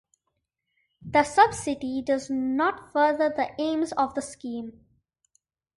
This subsidy does not further the aims of the scheme.